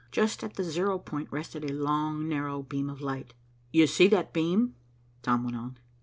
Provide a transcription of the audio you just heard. Just at the zero point rested a long narrow beam of light. "You see that beam," Tom went on.